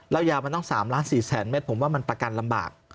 แล้วยาวมันต้อง๓ล้าน๔แสนเมตรผมว่ามันประกันลำบาก